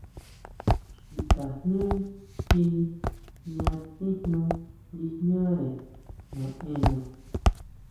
Xki tajñú ji jña tijna nguijñare naʼena.